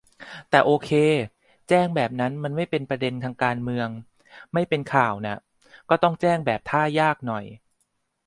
แต่โอเค แจ้งแบบนั้นมันไม่ "เป็นประเด็นทางการเมือง" ไม่เป็นข่าวน่ะ ก็ต้องแจ้งแบบท่ายากหน่อย